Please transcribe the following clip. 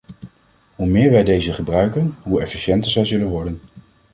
Hoe meer wij deze gebruiken, hoe efficiënter zij zullen worden.